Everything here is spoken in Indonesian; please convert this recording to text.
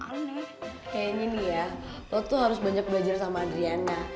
kayaknya nih ya lo tuh harus banyak belajar sama adriana